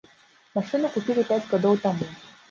Машыну купілі пяць гадоў таму.